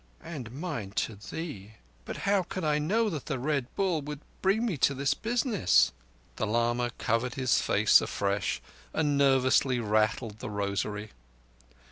"And mine to thee. But how could I know that the Red Bull would bring me to this business?" The lama covered his face afresh, and nervously rattled the rosary.